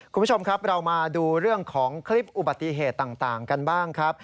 คุณผู้ชมครับเรามาดูเรื่องของคลิปอุบัติเหตุต่างกันบ้างครับ